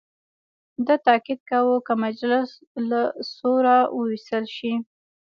ده تاکید کاوه که مجلس له سوره وویستل شي.